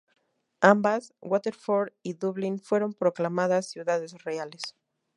Ambas Waterford y Dublín fueron proclamadas "Ciudades Reales".